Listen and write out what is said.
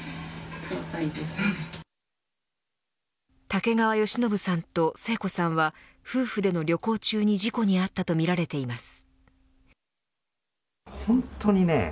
竹川好信さんと生子さんは夫婦での旅行中に事故にあったとみられています。